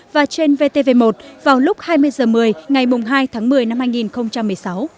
và trên vtv một vào lúc hai mươi h một mươi ngày hai tháng một mươi năm hai nghìn một mươi sáu